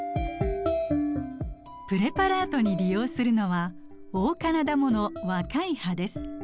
プレパラートに利用するのはオオカナダモの若い葉です。